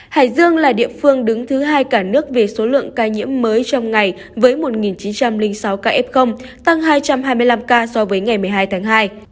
hải dương là địa phương đứng thứ hai cả nước về số lượng ca nhiễm mới trong ngày với một chín trăm linh sáu ca f tăng hai trăm hai mươi năm ca so với ngày một mươi hai tháng hai